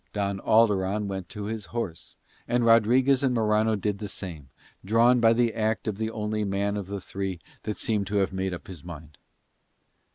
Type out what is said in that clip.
Don Alderon went to his horse, and Rodriguez and Morano did the same, drawn by the act of the only man of the three that seemed to have made up his mind.